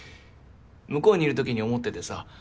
向こうにいるときに思っててさ